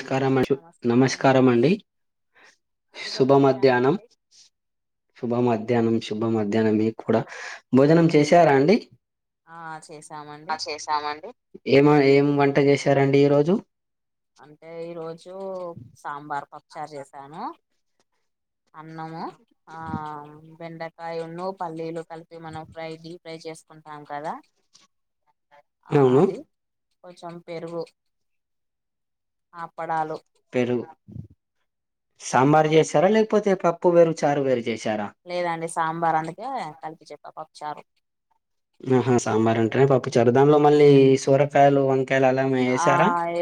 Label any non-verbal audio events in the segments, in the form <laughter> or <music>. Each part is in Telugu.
నకారం నమస్కారం అండి శుభ మధ్యాహ్నం శుభ మధ్యాహ్నం శుభ మధ్యాహ్నం మీకు కూడా భోజనం చేసారా అండి ఆ చేసామండి ఏమ ఏమీ వంట చేశారండి ఈ రోజు ఈ రోజు సాంబార్ పప్పుచారు చేసాను అన్నము ఆ బెండకాయ ఎన్నో పల్లీలు కలిపి మనం ఫ్రై డీ ఫ్రై చేసుకుంటాం కదా ఆ అవును అది కొంచెం పెరుగు అపడాలో పెరుగు సాంబారు చేసారా లేకపోతే పప్పు వేరు చారు వేరు చేశారా లేదండి సాంబార్ అందుకే కలిపి చెప్పా పప్పు చారు ఆహా సాంబార్ అంటేనే పప్పు చారు దాంలో మళ్ళీ సోరకాయలు వం ఆ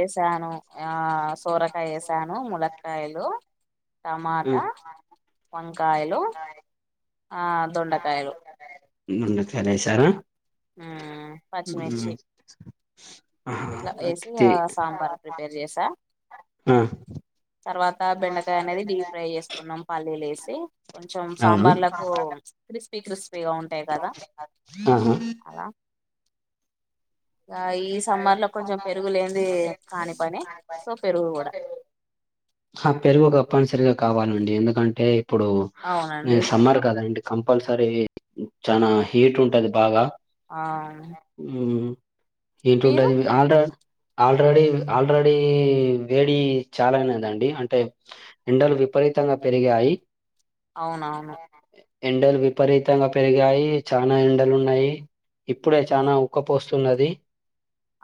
ఏసాను ఆ సోర కాయ వేశాను ములక్కాయలు ఆ, టమాటా వంకాయలు ఆ దొండకాయలు ఉ గణేష ఉమ్, పచ్చిమిర్చి ఇట్లా వేసి ఆ సాంబార్ ప్రిపేర్ చేసా ఆ, తర్వాత త్తా బెండకాయ అనేది డీప్ ఫ్రై చేసుకున్నాం పల్లీలేసి కొంచెం సాంబార్లకు క్రిస్ పి కృస్ అవునా అలా ఇక ఈ సమ్మర్ లో కొంచెం పెరుగు లేనిది కాని పని సో పెరుగు కూడా ఆ పెరుగు తప్పనిసరిగా కావాలండి ఎందుకంటే ఇప్పుడు ఈ అవునండి సమ్మర్ కదండి కంపల్సరీ చానా హీట్ ఉంటది బాగా ఆ ఉమ్మ్ మీరు ఏంటుంటది ఇది ఆల్రా ఆల్రెడీ ఆల్రెడీ వేడి చాలా ఉన్నదండి అంటే ఎండలు విపరీతంగా పెరిగాయి అవునవును ఎండలు విపరీతంగా పెరిగాయి చానా ఎండలు ఉన్నాయి ఇప్పుడే చానా ఉక్కపోస్తున్నది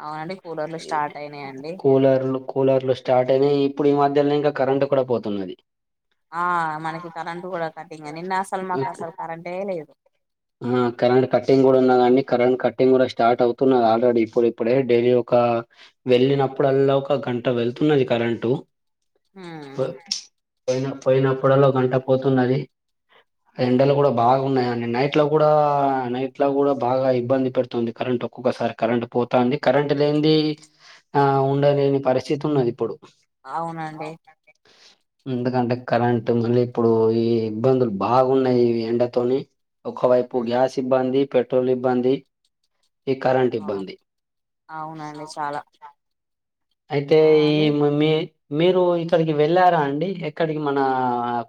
అవునండి కూలర్లు స్టార్ట్ అయినాయండి కూలర్లు కూలర్లు స్టార్ట్ అయినాయి ఇప్పుడు ఈ మధ్యనే ఇంకా కరెంట్ కూడా పోతున్నది ఆ మనకి కరెంటు కూడా కట్టింగ్ నిన్న అసలు మాకు అసలు కరెంటే లేదు ఆ టింగ్ కూడా స్టార్ట్ అవుతున్నది ఆల్రెడీ ప్పుడిప్పుడే డైలీ ఒక వెళ్ళినప్పుడల్లా ఒక గంట వెళ్తున్నది కరెంటు పో హ్ పోయిన పోయినప్పుడల్లా ఒక గంట పోతున్నది ఎండలు కూడా బాగున్నాయని నైట్ ట్ లో కూడా నైట్ లో కూడా బాగా ఇబ్బంది పెడుతుంది కరెంట్ ఒక్కొక్కసారి కరెంట్ పోతాంది కరెంట్ లేనిది ఆ ఉండలేని పరిస్థితి ఉన్నదిప్పుడు అవునండి ఎందుకంటే కరెంట్ మళ్ళీ ఇప్పుడు ఈ ఇబ్బందులు బాగున్నాయి ఎండతోని ఒక వైపు ఉమ్ గ్యాస్ ఇబ్బంది పెట్రోల్ ఇబ్బంది ఈ కరెంట్ అవు ఇబ్బంది అవునండి చాలా అయితే ఆ ఈ మీ మమ్మీ మీరు ఇక్కడికి వెళ్ళారా అండి ఏక్కడికి మన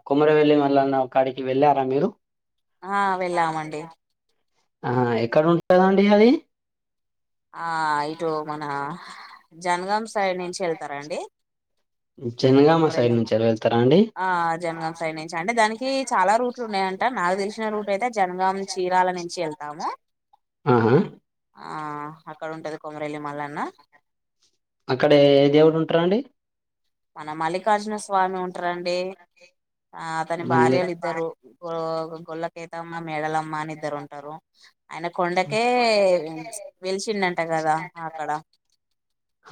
కొమరవెల్లి మల్లన్న కాడికి వెళ్ళారా మీరు ఆ వెళ్ళామండి ఆ ఎక్కడ ఉంటదండి అది ఆ ఇటు మన జనగాం సైడ్ నుంచి వెళ్తారా అండి జనగామ సైడ్ కొమ్మరల్లి నుంచి వెళ్తారా అండి? ఆ జనగాం సైడ్ నుంచి అండి దానికి చాలా రూట్లు ఉన్నాయి అం నాకు తెలిసిన రూట్ అయితే జనగాం చీరాల నుంచి వెళ్తాము ఆహా! ఆ అక్కడ ఉంటది కొమరలి మళ్ళన్న అక్కడ ఏ దేవుడు ఉంటారండి మన మల్లికార్జున స్వామి ఉంటారండి ఆ తను మళ్ళీ భార్యలుద్దారు గొల్ల కేతా మా మేళల మాని ఇద్దరు ఉంటారు ఆయన కొండకే వెలిచిండ అంట కదా అక్కడ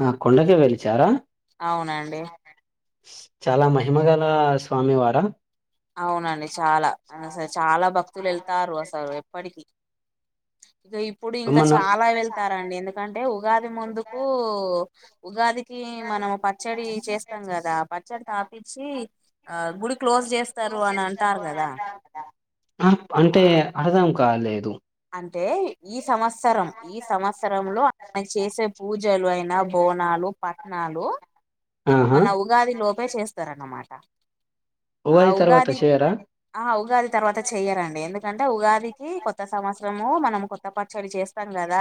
ఆ! కొండకే వెలిచారా? అవునండి చాలా మహిమ గల స్వామి వారా అవునండి చాలా అ అసలు చాలా భక్తులు వెళ్తారు అసలు ఎప్పటికి ఇక ఇప్పుడు ఇంకా ఏమన్నా చాలా వెళ్తారంండి ఎందుకంటే ఉగాది ముందుకు ఉగాది కి మనము పచ్చడి చేస్తాం కదా పచ్చడి తాపిచ్చి ఆ గుడి క్లోజ్ చేస్త ఆ, అంటే అడదాం కాలేదు అంటే నేను చేసే పూజలు అయినా బోనాలు పట్నాాలు ఆహా! మన ఉగాది లోపే చేస్తా ఉస్తరనమాట ఆ తర్వాత ఉగాది చేయరా? ఆ ఉగాది తర్వాత చెయరండి ఎందుకు ఎట్ంటే ఉగాదికి కొత్త సంవత్సరము మనం కొత్త పచ్చడి చేస్త ాం కదా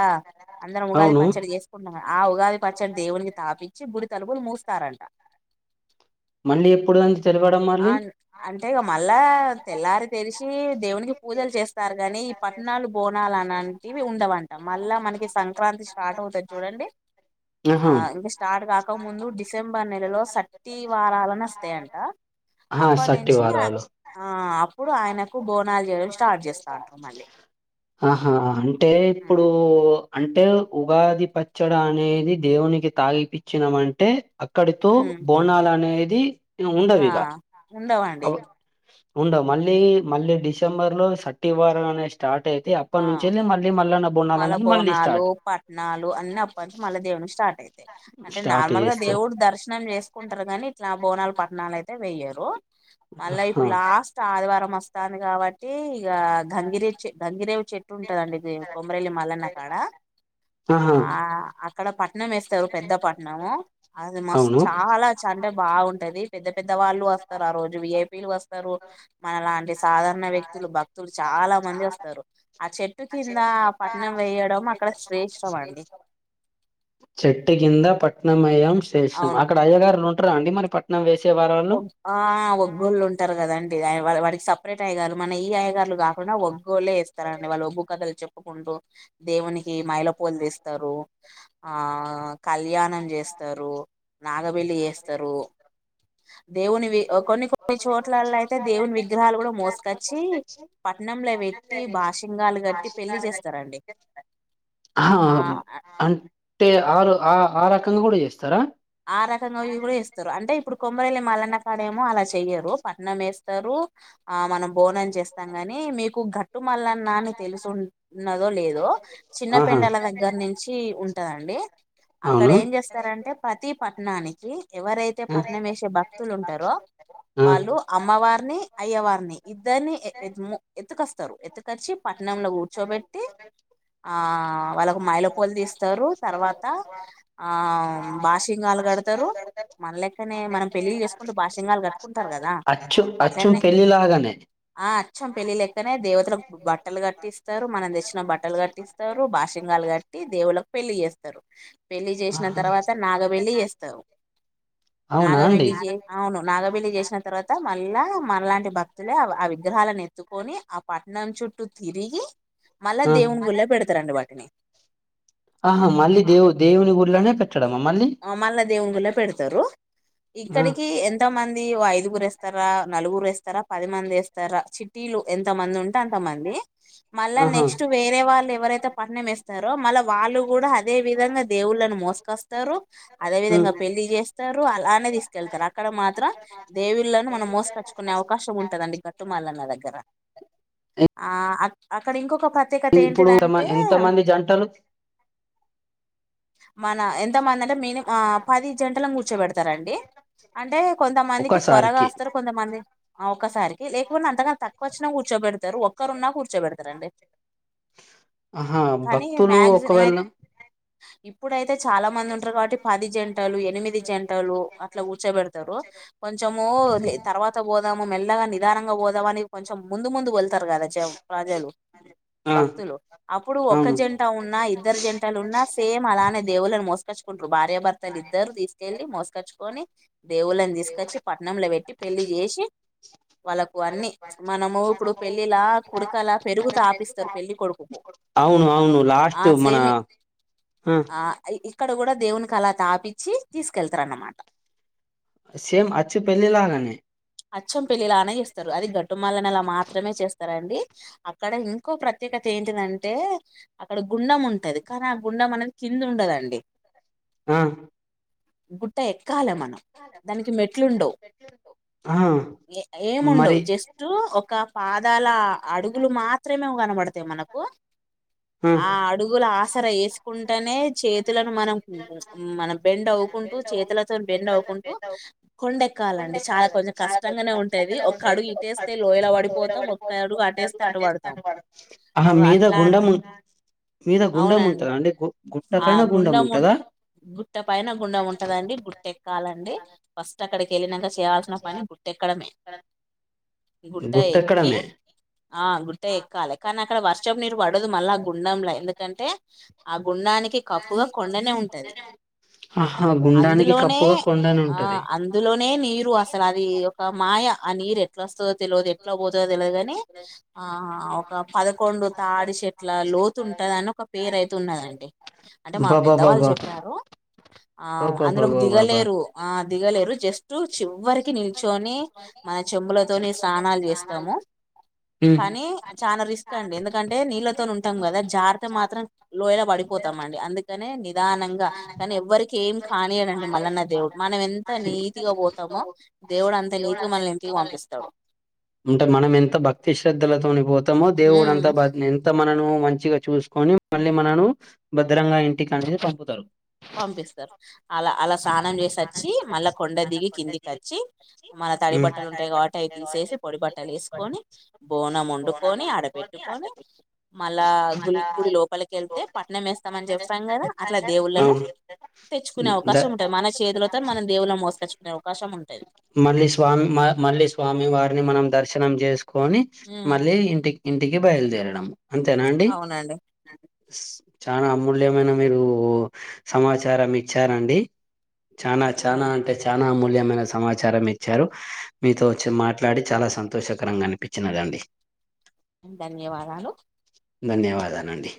అందరం ఉగాది అవును. పచ్చడి చేసుకుంటాం ఆ ఉగాది పచ్చడి దేవునికి తాపించి గుడి తలుపులు మూస్ తరంట మళ్ళీ ఎప్పుడు అ ఆ అంటే ఇక మళ్ళా తెల్లారి తెలిసు చే దేవునికి పూజలు చేస్తారు గాని ఈ పట్నాలు బోనాలు అలాంటివి ఉండవుంటాం మళ్ళా మనకి సం సంక్రాంతి స్టార్ట్ అవుతది చూడండి ఆ ఆహా! ఇంకా స్టార్ట్గా ఇక ముందు డిసెంబర్ నెలలో సట్టి వారాలను వస్తాయంట ఆహా! అప్పా సట్టి నించి వారాలు. ఆ ఇప్పుడు ఆయనకు బోనాలు చేయడం స్టార్ట్ చేస్తా ఉంటారు మళ్ళీ. ఆహా అంటే ఇప్పుడూ అంటే ఉగాది పచ్చడ అనేది దేవునికి తాగిపిచ్చినమంటే అక్కడితో ఉమ్ బోనాలు అనే ది ఇగ ఉండవిగా ఉండవు అండి. ఉండవు మళ్ళీ మళ్ళీ డిసెంబర్ లో సట్టివారం అనేది స్టార్ట్ అయి అప్పటి నుంచెల్లి మళ్ళీ మల్లన్నా మళ్ళా బోనాలు పట్నాలు అన్ని అప్పట్నుంచి మళ్ళా దేవుని స్టా ర్ట్ అయి తయి అంటే స్టార్ట్ నార్మల్ గా జేస్తరు. దేవుడు దర్శనం చేసుకుంటరు కాని ఇట్లా బోనాలు పట్నాలు అయితే వెయ్యరు. మళ్ళా ఆహా! ఇప్పుడు లాస్ట్ ఆదివారం అస్ స్తాను కాబట్టి ఇగా గంగిరేగి చె గంగిరేవి చెట్టు ఉంటదండి ఇది కొమరేల్లి మల్లన్న కాడా ఆహా! ఆ అక్కడ పట్నం వేస్తరు పెద్ద పట్నము అది మస్ అవును. చాలా అంటే బావుంటది. పెద్దవాళ్ళు వస్తరు ఆ రోజు విఐపీలు వస్ స్తరు, మన లాంటి సాదార న వ్యక్తులు, భక్తులు చాలా మంది వస్తరు. ఆ చెట్టుకి అండి చెట్టు కింద పట్నంమేయం చేసినం అవును అక్కడ అయ్యగారు <inaudible> <inaudible> అండి మరి పట్నం వేసి ఒగ్ ఆ ఒగ్లొలు ఉం టరు కదండి. వా వాడికి సపరేట్ అయ్యగారు మన ఈ అయ్యా గార్లు కాకుండా ఒగ్గొలేస్ చెస్తరండి వాళ్ళు బగ్గు కథలు చెప్పుకుంటూ దేవునికి మైల పోలు తీస్ స్తరు, ఆ కళ్యాణం చేస్తరు, నాగవెల్లి చేస్తరు. దేవునివి కొన్ని కొన్ని చోట్లల్ల అయితే దేవుని విగ్రహాలు కూడా మోసుకొచ్చి పట్నంల పెట్టి బాషింగాలు కట్టి పెళ్లి చేస్తరండి. ఆహా! ఆ అంటే ఆరు ఆ ఆ రకంగా కూడా చేస్తారా ఆ రకంగా ఇవి కూడా చేస్తరు అంటే ఇప్పుడు కొమ్మరవెల్లి మలన్న కాడేమో అలా చెయ్యరు పట్నమేస్తారు ఆ మనం బోనం చేస్తాం గాని మీకు గట్ గట్టుమల్లన్నాని తెలుసు ఉంట్ ఉన్నదో లేదో చిన్న ఆహా పెండల్ల దగ్గర నుంచి ఉంట్ ఉంటదండి. అక్కడ అవును ఏం చేస్తారంటే కి పట్టణానికి ఎవరైతే ఆ పట్నం వేసే భక్తులు ఉంటారో ఆ వాళ్ళు అమ్మవారిని అయ్యవారిని ఇద్దరినిఎ ఏత్ ము ఎత్తుకొస్తారు ఎత్తకొచ్చి పట్నంలో కూర్చోబెట్టి ఆ వాళ్ళకు మైలపోలు తీస్తారు తర్వాత ఆ బాషింగాలు గడతారు మన లేక్కనే మనం పెళ్లిళ్లు చేసుకుంటూ బాషింగాలు కట్ అచ్చు అచ్చు పెళ్ళిలాగానే కొంచెం పెళ్ళి లెక్కనే దేవతలకు బట్టలు కట్టిస్తారు మనం తెచ్చిన బట్టలు కట్టిస్తారు బాషింగాలు కట్టి దేవుళ్ళకు పెళ్ళి చేస్తారు పెళ్ళి చేసిన తర్వాత త నాగబెల్లి చేస్తరు. అవునా అండి నాగబెల్లి చే అవును నాగబ్ బెల్లి చేసిన తర్వాత మళ్ళా మనలాంటి భక్తులే ఆ విగ్రహాలను ఎత్తుకొని ఆ పట్నం చుట్టూ తిరిగి మళ్ళా ఆ దేవుని గుళ్ళో పెడతారండి వాటిని ఆహా మళ్ళీ దేవు దేవుని గుళ్ళోనే మళ్ళ దేవుని గుళ్ళో పెడతారు. ఆ ఇక్కడికి ఎంతో మంది ఒ ఐదు గురు వేస్తారా నలుగురు వేస్తారా పది మంది వేస్తారా చిట్టిలు ఎంత మంది ఉంటే అంతమంది మళ్ళా ఆహా నెక్స్ట్ వేరే వాళ్ళు ఎవరైతే పట్ణం వేస్తారో మళ్ళా వాళ్ళు కూడా అదే విధంగా దేవుళ్లను మోస్కస్త తారు అదే ఉమ్. విధంగా పెళ్లిి చేస్తారు అలానే తీసుకెళ్తారు అక్కడ మాత్రం దేవుళ్ళలను మనం మోసకచ్చుకునే అవకాశం ఉంటదండి గట్టుమల్లన్న దగ్గర ఎ- ఆ అక్ అక్కడ ఇంకొక ప్రత్యేకత ఇప్పుడు ఏమ ఎంత ఏంటిదంటే మంది జంటలు మన ఎంత్ ంతమంది మీనిమ్ ఆ పది జంటలను కూర్చోబెడతారండి అంటే కొంతమందికి త్వరగా ఒకసారికి వస్తారు కొంతమంది అవు ఒకసారికి లేకున్న అంతక్వన్న తక్వచ్చినా కూర్చోబెడత్ తారు ఒక్కరున్నా కూర్చోబెడత్ రండి. ఆహా భక్తులు మాక్సిమం ఒకవేళ ఇప్పుడైతే చా మంది ఉంటారు కాబట్టి పది జంటలు ఎనిమిది జంటలు అట్లా కూఊర్చోబెడతారు కొంచెము తర్వాత పోదాము మెల్లగా నిదానంగా పోదామని కొంచెం ముందు ముందు వెళ్తారు కదా ప్రజలు ఆ భక్తులు అప్పుడు ఒక్క అవును జంట ఉన్నా ఇద్దరు జంటలు ఉన్నా సేమ్ అలానే దేవుళ్ని మస్త కచ్చ భార్య భర్తలు ఇద్దరు తీసుకెళ్ళి మోసకచ్చుకొని దేవుల తీసుకొచ్చి పట్నంలో పెట్టి పెళ్లి చేసి వాళ్ళకు అన్ని మనము ఇప్పుడు పెళ్ళిలా కొడుకలా పెరుగుత ఆపిస్తారు పెళ్లి కొడుకుపు అవును అవును ఆ లాస్ట్ మన సేమి ఆ అక్కడ కూడా దేవునికి అలా తాపిచ్చి తీసుకెళ్తారు అన్నమాట సేమ్ అచ్చు పెళ్లిలాగానే అచ్చం పిల్రీలా ఇస్తారు అది గట్టుమాలని అలా మాత్రమే చేస్తారం అండి అక్కడ ఇంకో ప్రత్యేకత ఏంటిదంటే అక్కడ గుండం ఉంటది కానీ ఆ గుండెం అనేది కింద ఉండదండి ఆహ గుట్ట ఎ కాల మనం దానికి మెట్లుండవు ఆ మరి ఏముండడువు జస్ట్ ఒక పాదాల అడుగులు మాత్రమే కనబడతాయి మనకు ఆ అడుగుల ఆసర వేసుకుంటేనే చేతులను మనం మనం బెండ్ అవవుకుంటూ చేతులతో బెండ్ అవకుంటూ కొండెక్కాలండి చాలా కొంచెం కష్టంగానే ఉంటాది ఒ అడుగు ఇటేస్తే లోయల పడిపోతాం ఒక్క అడుగు అటేస్తే అట పడతాం ఆహా అ మీద అట్లా గుండం ఉం- మీద గుండం అవునండి ఉంటదా అండి గు- గుట్ట ఆ పైన గుండం గుండెం ఉంటదా గుట్ట పైన గుండెం ఉంటదండి గుట్ట ఎక్కాలండి ఫస్ట్ తేలినక చేయాల్సిన పని కుట్ట కడమే గుట్ట ఎక్కి గుట్టెక్కడమే ఆ గుట్ట ఎక్కాలి కన వర్షం నరు పడుదు మ అల్లా గుండం లే ఎ అంటే అబ్ గుండానికి కప్పుగా కొండనే ఉంటది ఆహా గుండానికి అందులోనే కప్పుగా కొండని ఆ ఉంటది అందులోనే నీరు అసలు అది ఈయొక్క మాయ ఆ నీరు ఎట్లా వస్తుందో తెలియదు ఎట్లా పోతుందో తెలియదు ని ఆ ఒక పదకొండు తాడి చెట్ల లోతు ఉంటద అని ఒక పేరు అయితు ఉన్నదండి అంటే మా పెద్దవాళ్ళు బాబాబాబా చెప్పారు ఆ అందులోకి బాబాబాబాబా దిగలేరు ఆ దిగలేరు జస్ట్ రుచివ నిల్చొని మన చెంబులతో స్నానాలు చేస్తాము కానీ చాలా రిస్క్ అండి ఎందుకంటే నీళ్ళతో ఉంటాం కదా జాగత మాత్రం లో పడిపోతామండి అందుకనే నేను ప్రధానంగా కానీ ఎవ్వరికి ఏం కనీయుడు అండి మల్లన్న దేవుడు మనం ఎంత నీతి గా పోతామో దేవుడు అంత నీతిగా మనల్ని ఇంటికి పంపిస్తాడు అంటే మనం ఎంత భక్తి శ్రద్ధల తోనీ పో త్తమో హ్మ్ దేవుడుంతా బ ఎంత మన నమో మంచిగా చూసుకొని మళ్ళీ మనను భద్రంగా ఇంటికి అనేది పం తారు పంపిస్తారు అలా అలా స్నానం చేసి వచ్చి మల్ల కొండ దిగి కిందికి వచ్చి మల్ల తడి ఉమ్. బట్టలు ఉంటాయి కాబట్టి అవి తీసేసి పొడి బట్టలు వేసుకొని బోనం వండుకొని ఆడ పెట్టుకొని మల్ల గుడి గుడి లోపలికి వెళ్తే పట్టనం వేస్తామని చెప్తాం కదా అట్లా దేవుళ్ళలను ఉ దా మనం దేవుళ్ళని మోసుకొచ్చుకునే అవకాశం ఉంటది మళ్ళీ స్వామి మళ్ళీ స్వామి వారిని మనం దర్శ తనం చేస్ కొని మళ్ళీ ఇంటి ఇంటికి బయలదేరడం అంతేనా అండి అవునండి చానా అమూల్యమైన మీరు సమాచారం ఇచ్చారన్ డి చనా చానా అంటే చానా అమూల్యం మైన సమాచారం ఇచ్చారు మీతో వచ్చి మాట్లాడి చాలా సంతోషకరంగా అనిపించిందండి ధన్యవాదాలు ధన్యవాదాలు అండి